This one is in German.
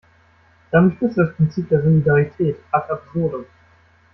Damit führst du das Prinzip der Solidarität ad absurdum.